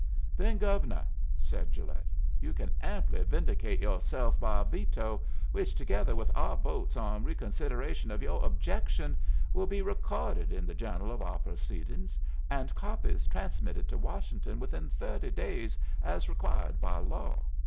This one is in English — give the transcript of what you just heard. "Then, Gove'nuh," said Gilet, "you can amply vindicate yo'self by a veto, which, together with our votes on reconsideration of yoh objections, will be reco'ded in the journal of our proceedings, and copies transmitted to Washington within thirty days as required by law.